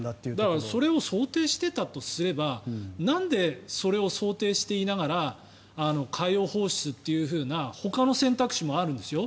だからそれを想定したとすればなんでそれを想定していながら海洋放出っていうふうなほかの選択肢もあるんですよ。